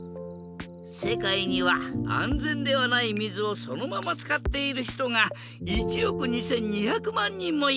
世界には安全ではない水をそのまま使っている人が１億２２００万人もいるんだ。